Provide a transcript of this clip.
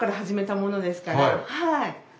はい。